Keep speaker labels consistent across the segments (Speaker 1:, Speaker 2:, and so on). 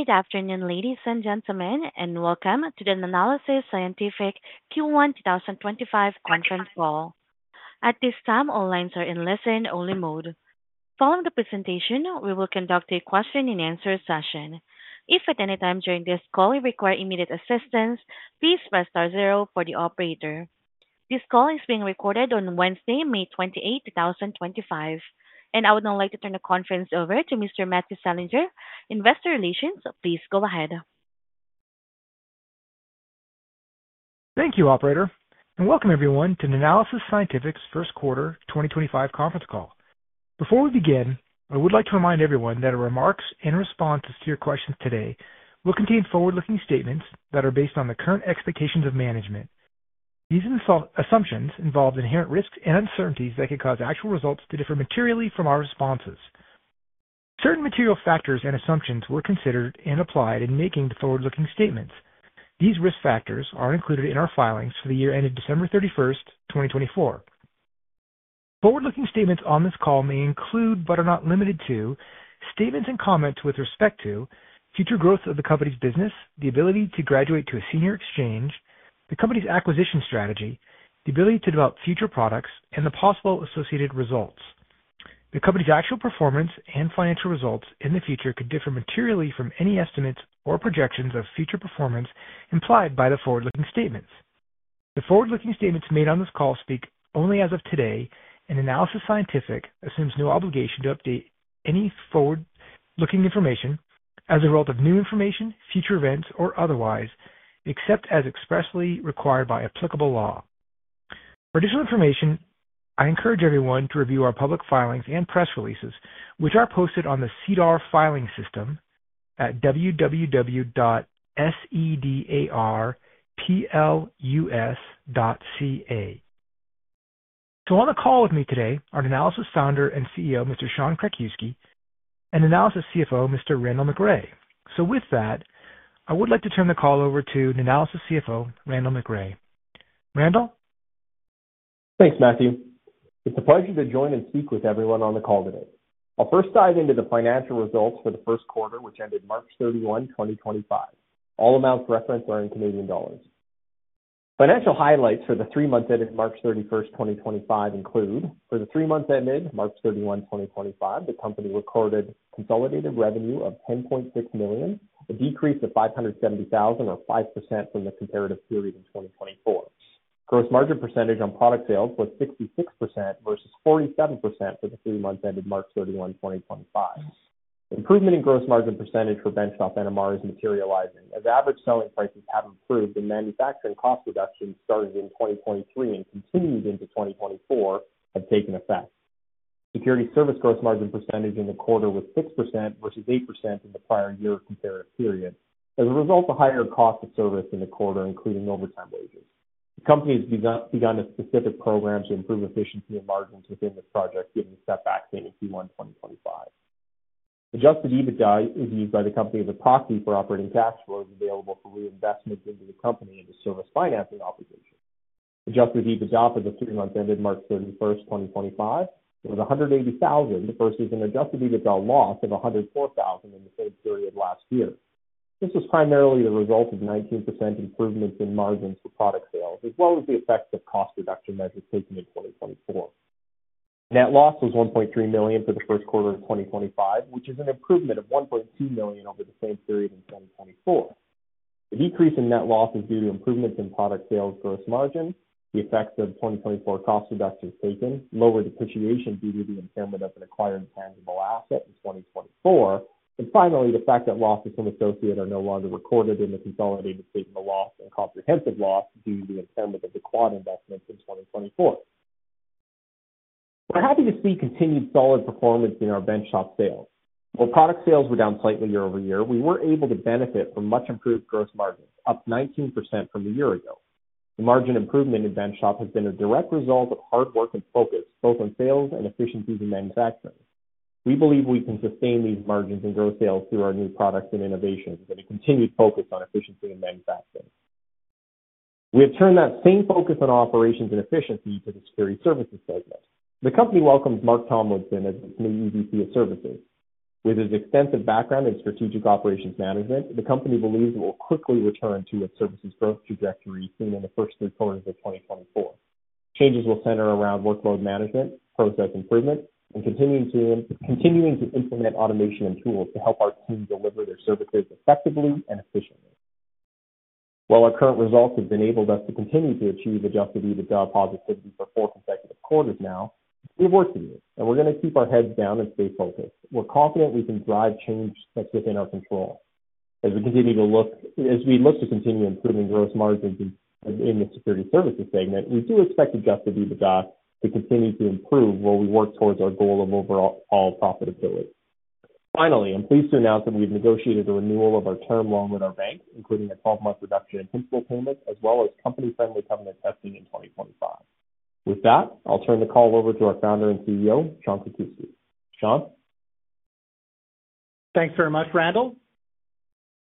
Speaker 1: Good afternoon, ladies and gentlemen, and welcome to the Nanalysis Scientific Q1 2025 conference call. At this time, all lines are in listen-only mode. Following the presentation, we will conduct a question-and-answer session. If at any time during this call you require immediate assistance, please press star zero for the operator. This call is being recorded on Wednesday, May 28, 2025, and I would now like to turn the conference over to Mr. Matthew Selinger, Investor Relations. Please go ahead.
Speaker 2: Thank you, Operator, and welcome everyone to Nanalysis Scientific's First Quarter 2025 Conference Call. Before we begin, I would like to remind everyone that our remarks and responses to your questions today will contain forward-looking statements that are based on the current expectations of management. These assumptions involve inherent risks and uncertainties that could cause actual results to differ materially from our responses. Certain material factors and assumptions were considered and applied in making the forward-looking statements. These risk factors are included in our filings for the year ended December 31st, 2024. Forward-looking statements on this call may include but are not limited to statements and comments with respect to future growth of the company's business, the ability to graduate to a senior exchange, the company's acquisition strategy, the ability to develop future products, and the possible associated results. The company's actual performance and financial results in the future could differ materially from any estimates or projections of future performance implied by the forward-looking statements. The forward-looking statements made on this call speak only as of today, and Nanalysis Scientific assumes no obligation to update any forward-looking information as a result of new information, future events, or otherwise, except as expressly required by applicable law. For additional information, I encourage everyone to review our public filings and press releases, which are posted on the SEDAR Filing System at www.sedarplus.ca. On the call with me today are Nanalysis Founder and CEO, Mr. Sean Krakiwsky, and Nanalysis CFO, Mr. Randall McRae. With that, I would like to turn the call over to Nanalysis CFO, Randall McRae. Randall?
Speaker 3: Thanks, Matthew. It's a pleasure to join and speak with everyone on the call today. I'll first dive into the financial results for the first quarter, which ended March 31, 2025. All amounts referenced are in CAD. Financial highlights for the three months ended March 31st, 2025, include for the three months ended March 31, 2025, the company recorded consolidated revenue of 10.6 million, a decrease of 570,000, or 5% from the comparative period in 2024. Gross margin percentage on product sales was 66% vs. 47% for the three months ended March 31, 2025. Improvement in gross margin percentage for benchtop NMR is materializing as average selling prices have improved and manufacturing cost reductions started in 2023 and continued into 2024 have taken effect. Security services gross margin percentage in the quarter was 6% vs. 8% in the prior year comparative period. As a result, the higher cost of service in the quarter, including overtime wages. The company has begun a specific program to improve efficiency and margins within this project, given the setback seen in Q1 2025. Adjusted EBITDA is used by the company as a proxy for operating cash flows available for reinvestment into the company and to service financing obligations. Adjusted EBITDA for the three months ended March 31st, 2025, was 180,000 versus an adjusted EBITDA loss of 104,000 in the same period last year. This was primarily the result of 19% improvements in margins for product sales, as well as the effects of cost reduction measures taken in 2024. Net loss was 1.3 million for the first quarter of 2025, which is an improvement of 1.2 million over the same period in 2024. The decrease in net loss is due to improvements in product sales gross margin, the effects of 2024 cost reductions taken, lower depreciation due to the impairment of an acquired tangible asset in 2024, and finally, the fact that losses from associates are no longer recorded in the consolidated statement of loss and comprehensive loss due to the impairment of the Quad investments in 2024. We're happy to see continued solid performance in our benchtop sales. While product sales were down slightly year over year, we were able to benefit from much improved gross margins, up 19% from a year ago. The margin improvement in benchtop has been a direct result of hard work and focus both on sales and efficiencies in manufacturing. We believe we can sustain these margins and gross sales through our new products and innovations and a continued focus on efficiency in manufacturing. We have turned that same focus on operations and efficiency to the security services segment. The company welcomes Mark Tomlinson as its new EVP of Services. With his extensive background in strategic operations management, the company believes it will quickly return to its services growth trajectory seen in the first three quarters of 2024. Changes will center around workload management, process improvement, and continuing to implement automation and tools to help our team deliver their services effectively and efficiently. While our current results have enabled us to continue to achieve adjusted EBITDA positivity for four consecutive quarters now, we have work to do, and we're going to keep our heads down and stay focused. We're confident we can drive change that's within our control. As we continue to look to continue improving gross margins in the security services segment, we do expect adjusted EBITDA to continue to improve while we work towards our goal of overall profitability. Finally, I'm pleased to announce that we've negotiated the renewal of our term loan with our bank, including a 12-month reduction in principal payments, as well as company-friendly government testing in 2025. With that, I'll turn the call over to our Founder and CEO, Sean Krakiwsky. Sean?
Speaker 4: Thanks very much, Randall.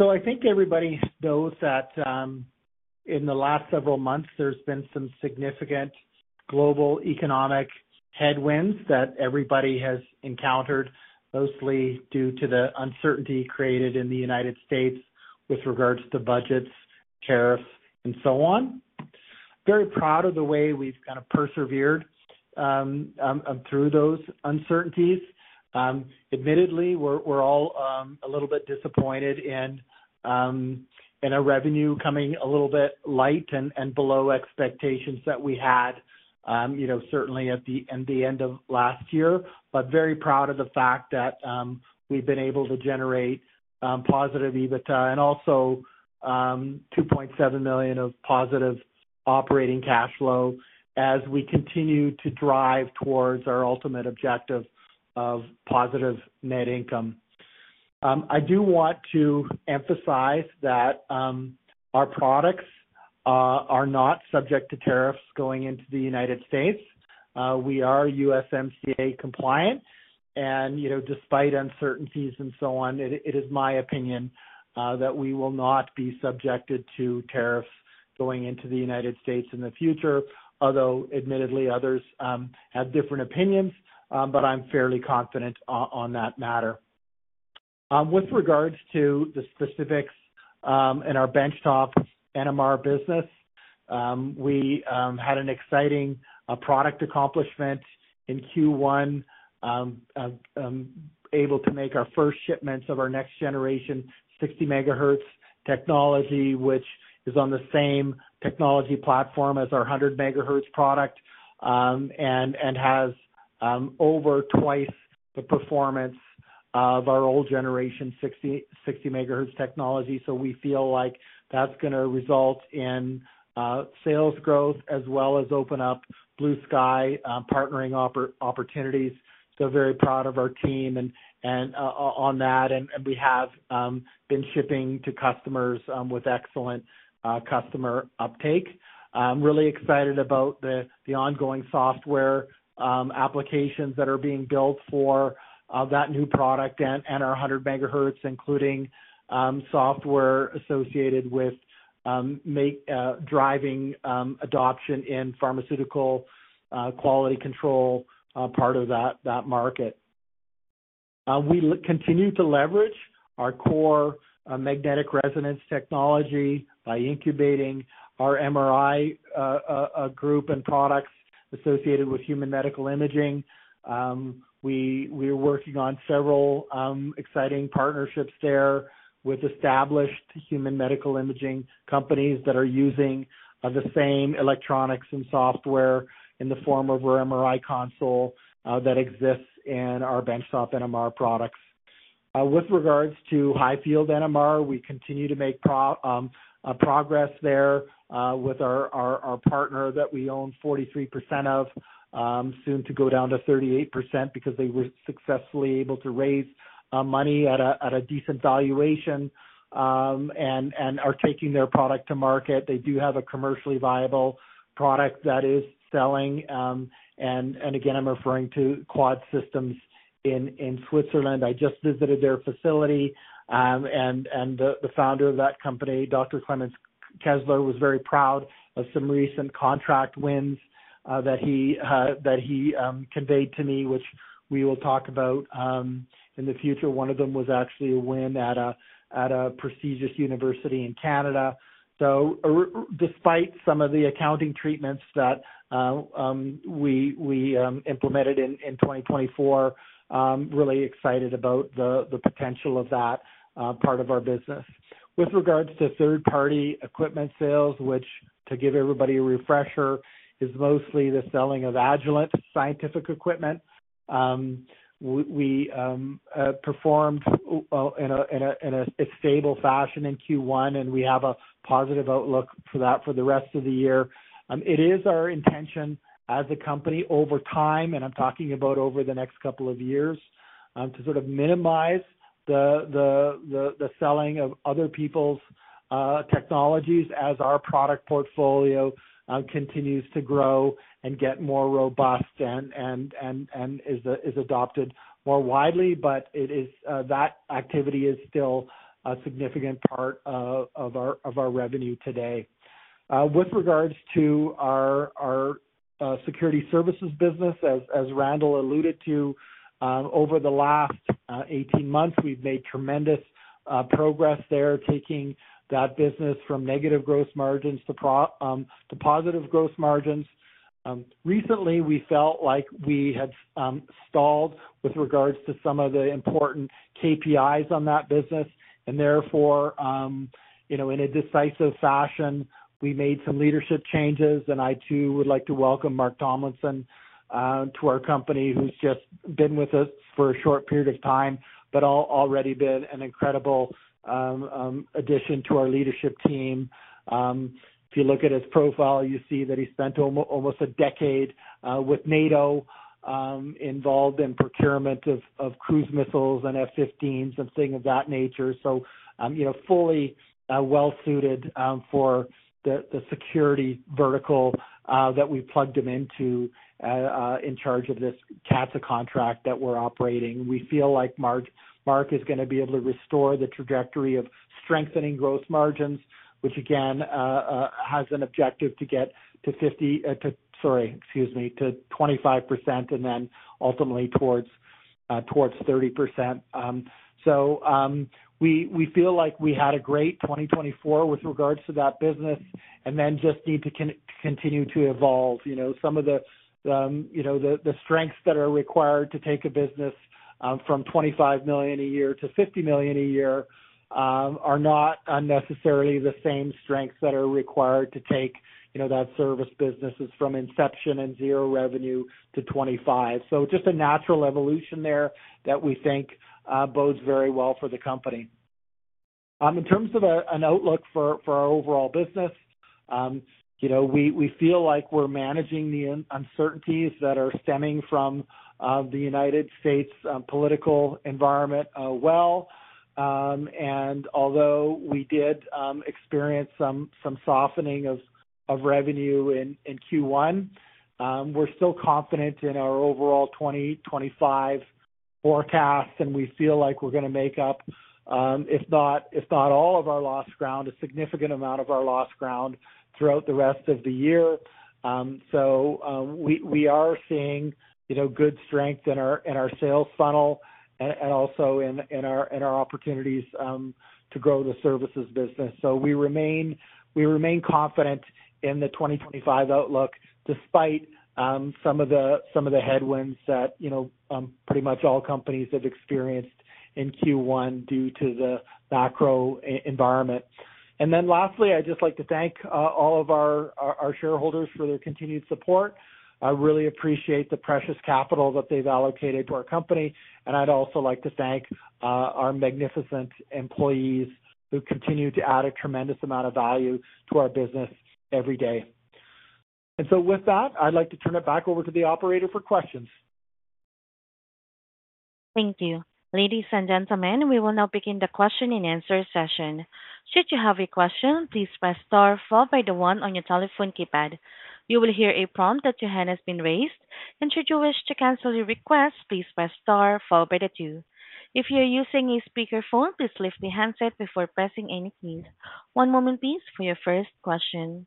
Speaker 4: I think everybody knows that in the last several months, there's been some significant global economic headwinds that everybody has encountered, mostly due to the uncertainty created in the United States with regards to budgets, tariffs, and so on. Very proud of the way we've kind of persevered through those uncertainties. Admittedly, we're all a little bit disappointed in revenue coming a little bit late and below expectations that we had, certainly at the end of last year, but very proud of the fact that we've been able to generate positive EBITDA and also 2.7 million of positive operating cash flow as we continue to drive towards our ultimate objective of positive net income. I do want to emphasize that our products are not subject to tariffs going into the United States. We are USMCA compliant, and despite uncertainties and so on, it is my opinion that we will not be subjected to tariffs going into the United States in the future, although admittedly, others have different opinions, but I'm fairly confident on that matter. With regards to the specifics in our benchtop NMR business, we had an exciting product accomplishment in Q1, able to make our first shipments of our next-generation 60 MHz technology, which is on the same technology platform as our 100 MHz product and has over twice the performance of our old generation 60 MHz technology. We feel like that's going to result in sales growth as well as open up blue sky partnering opportunities. Very proud of our team on that, and we have been shipping to customers with excellent customer uptake. I'm really excited about the ongoing software applications that are being built for that new product and our 100 MHz, including software associated with driving adoption in pharmaceutical quality control part of that market. We continue to leverage our core magnetic resonance technology by incubating our MRI group and products associated with human medical imaging. We are working on several exciting partnerships there with established human medical imaging companies that are using the same electronics and software in the form of our MRI console that exists in our benchtop NMR products. With regards to High-Field NMR, we continue to make progress there with our partner that we own 43% of, soon to go down to 38% because they were successfully able to raise money at a decent valuation and are taking their product to market. They do have a commercially viable product that is selling. I am referring to Quad Systems in Switzerland. I just visited their facility, and the founder of that company, Dr. Clements-Kessler, was very proud of some recent contract wins that he conveyed to me, which we will talk about in the future. One of them was actually a win at a prestigious university in Canada. Despite some of the accounting treatments that we implemented in 2024, I am really excited about the potential of that part of our business. With regards to third-party equipment sales, which, to give everybody a refresher, is mostly the selling of Adjuvant scientific equipment, we performed in a stable fashion in Q1, and we have a positive outlook for that for the rest of the year. It is our intention as a company over time, and I'm talking about over the next couple of years, to sort of minimize the selling of other people's technologies as our product portfolio continues to grow and get more robust and is adopted more widely. That activity is still a significant part of our revenue today. With regards to our security services business, as Randall alluded to, over the last 18 months, we've made tremendous progress there, taking that business from negative gross margins to positive gross margins. Recently, we felt like we had stalled with regards to some of the important KPIs on that business, and therefore, in a decisive fashion, we made some leadership changes. I, too, would like to welcome Mark Tomlinson to our company, who's just been with us for a short period of time, but already been an incredible addition to our leadership team. If you look at his profile, you see that he spent almost a decade with NATO involved in procurement of cruise missiles and F-15s and things of that nature. Fully well-suited for the security vertical that we plugged him into in charge of this CATSA contract that we're operating. We feel like Mark is going to be able to restore the trajectory of strengthening gross margins, which, again, has an objective to get to 50, sorry, excuse me, to 25% and then ultimately towards 30%. We feel like we had a great 2024 with regards to that business and then just need to continue to evolve. Some of the strengths that are required to take a business from 25 million a year to 50 million a year are not necessarily the same strengths that are required to take that service business from inception and zero revenue to 25 million. Just a natural evolution there that we think bodes very well for the company. In terms of an outlook for our overall business, we feel like we're managing the uncertainties that are stemming from the U.S. political environment well. Although we did experience some softening of revenue in Q1, we're still confident in our overall 2025 forecast, and we feel like we're going to make up, if not all of our lost ground, a significant amount of our lost ground throughout the rest of the year. We are seeing good strength in our sales funnel and also in our opportunities to grow the services business. We remain confident in the 2025 outlook despite some of the headwinds that pretty much all companies have experienced in Q1 due to the macro environment. Lastly, I'd just like to thank all of our shareholders for their continued support. I really appreciate the precious capital that they've allocated to our company. I'd also like to thank our magnificent employees who continue to add a tremendous amount of value to our business every day. With that, I'd like to turn it back over to the operator for questions.
Speaker 1: Thank you. Ladies and gentlemen, we will now begin the question and answer session. Should you have a question, please press star followed by the one on your telephone keypad. You will hear a prompt that your hand has been raised. Should you wish to cancel your request, please press star followed by the two. If you are using a speakerphone, please lift the handset before pressing any keys. One moment, please, for your first question.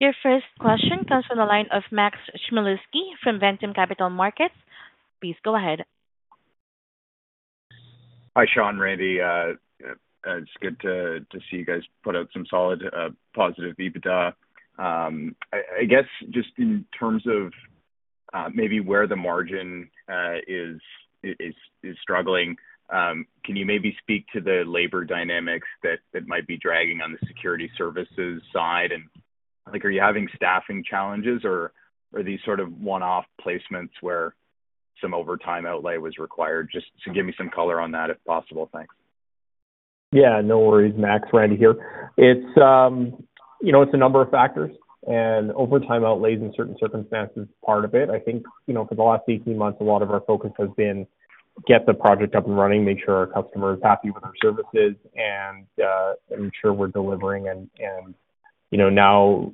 Speaker 1: Your first question comes from the line of Max Czmielewski from Ventum Capital Markets. Please go ahead.
Speaker 5: Hi, Sean Krakiwsky. It's good to see you guys put out some solid positive EBITDA. I guess just in terms of maybe where the margin is struggling, can you maybe speak to the labor dynamics that might be dragging on the security services side? Are you having staffing challenges, or are these sort of one-off placements where some overtime outlay was required? Just give me some color on that, if possible. Thanks.
Speaker 3: Yeah, no worries. Max Czmielewski here. It's a number of factors, and overtime outlay is, in certain circumstances, part of it. I think for the last 18 months, a lot of our focus has been to get the project up and running, make sure our customer is happy with our services, and ensure we're delivering.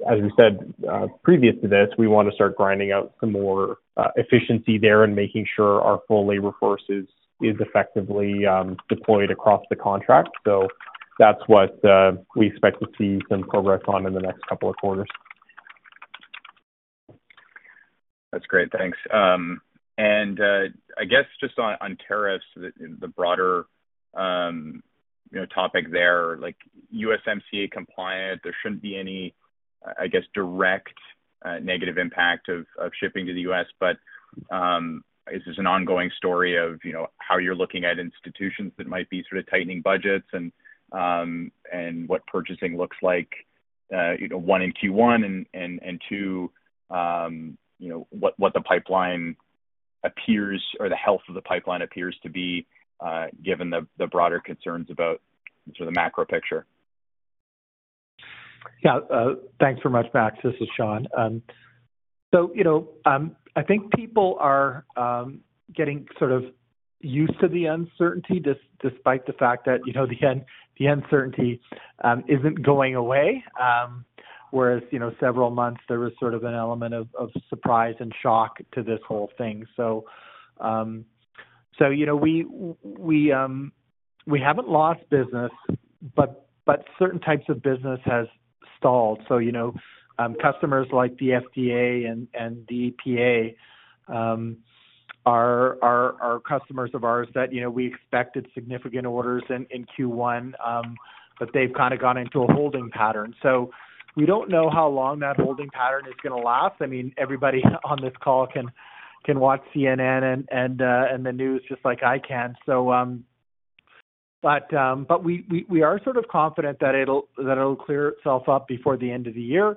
Speaker 3: As we said previous to this, we want to start grinding out some more efficiency there and making sure our full labor force is effectively deployed across the contract. That's what we expect to see some progress on in the next couple of quarters.
Speaker 5: That's great. Thanks. I guess just on tariffs, the broader topic there, USMCA compliant, there shouldn't be any, I guess, direct negative impact of shipping to the U.S. Is this an ongoing story of how you're looking at institutions that might be sort of tightening budgets and what purchasing looks like? One, in Q1, and two, what the pipeline appears or the health of the pipeline appears to be, given the broader concerns about sort of the macro picture?
Speaker 4: Yeah. Thanks very much, Max. This is Sean. I think people are getting sort of used to the uncertainty despite the fact that the uncertainty isn't going away, whereas several months, there was sort of an element of surprise and shock to this whole thing. We haven't lost business, but certain types of business have stalled. Customers like the FDA and the EPA are customers of ours that we expected significant orders in Q1, but they've kind of gone into a holding pattern. We don't know how long that holding pattern is going to last. I mean, everybody on this call can watch CNN and the news just like I can. We are sort of confident that it'll clear itself up before the end of the year.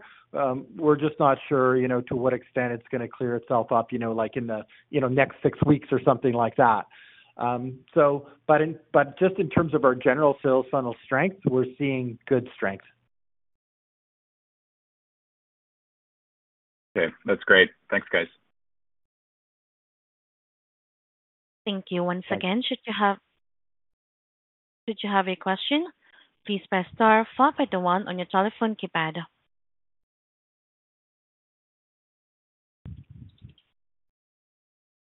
Speaker 4: We're just not sure to what extent it's going to clear itself up in the next six weeks or something like that. Just in terms of our general sales funnel strength, we're seeing good strength.
Speaker 5: Okay. That's great. Thanks, guys.
Speaker 1: Thank you. Once again, should you have a question, please press star followed by the one on your telephone keypad.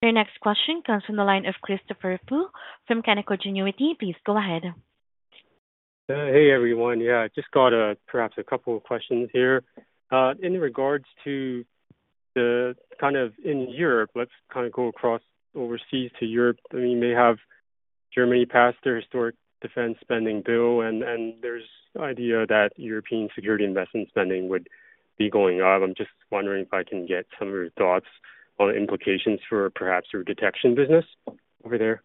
Speaker 1: Your next question comes from the line of Christopher Pu from Canaccord Genuity. Please go ahead.
Speaker 6: Hey, everyone. Yeah, I just got perhaps a couple of questions here. In regards to the kind of in Europe, let's kind of go across overseas to Europe. I mean, we may have Germany passed their historic defense spending bill, and there's an idea that European security investment spending would be going up. I'm just wondering if I can get some of your thoughts on implications for perhaps your detection business over there.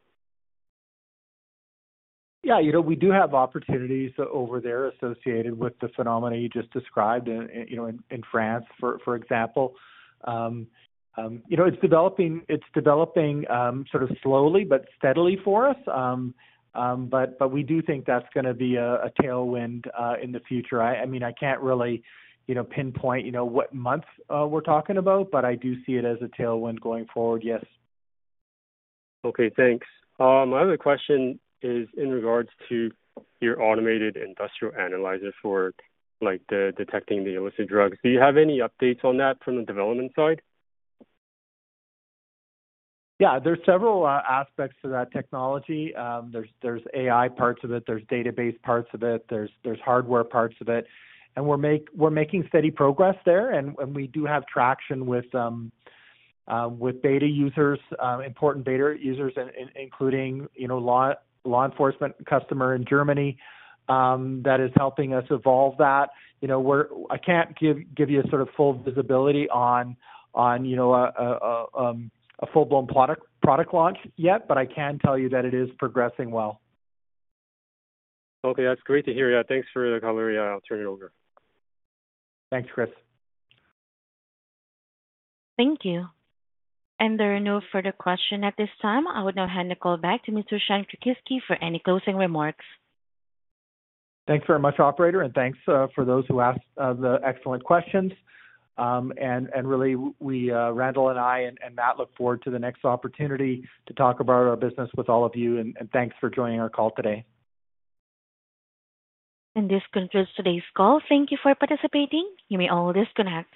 Speaker 4: Yeah. We do have opportunities over there associated with the phenomena you just described in France, for example. It's developing sort of slowly but steadily for us. I mean, I can't really pinpoint what month we're talking about, but I do see it as a tailwind going forward, yes.
Speaker 6: Okay. Thanks. My other question is in regards to your automated industrial analyzer for detecting the illicit drugs. Do you have any updates on that from the development side?
Speaker 4: Yeah. There are several aspects to that technology. There are AI parts of it. There are database parts of it. There are hardware parts of it. We are making steady progress there. We do have traction with beta users, important beta users, including law enforcement customers in Germany that is helping us evolve that. I cannot give you sort of full visibility on a full-blown product launch yet, but I can tell you that it is progressing well.
Speaker 6: Okay. That's great to hear. Yeah. Thanks for your comments. I'll turn it over.
Speaker 4: Thanks, Chris.
Speaker 1: Thank you. There are no further questions at this time. I would now hand the call back to Mr. Sean Krakiwsky for any closing remarks.
Speaker 4: Thanks very much, operator. Thanks for those who asked the excellent questions. Randall and I and Matt look forward to the next opportunity to talk about our business with all of you. Thanks for joining our call today.
Speaker 1: This concludes today's call. Thank you for participating. You may all disconnect.